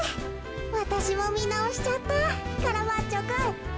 わたしもみなおしちゃったカラバッチョくん。